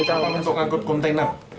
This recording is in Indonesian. untuk menganggut kontenak